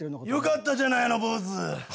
よかったじゃないの坊主。